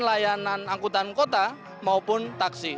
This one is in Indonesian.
layanan angkutan kota maupun taksi